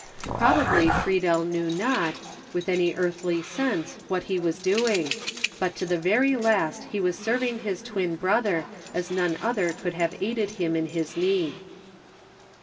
Probably Friedel knew not, with any earthly sense, what he was doing, but to the very last he was serving his twin brother as none other could have aided him in his need.